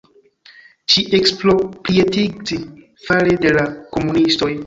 Ŝi eksproprietigits fare de la komunistoj.